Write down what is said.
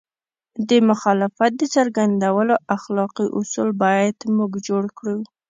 د مخالفت د څرګندولو اخلاقي اصول باید موږ جوړ کړو.